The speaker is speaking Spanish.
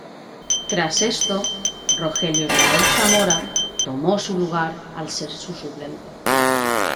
Tras esto Rogelio Israel Zamora tomó su lugar al ser su suplente.